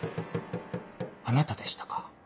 あなたでしたか。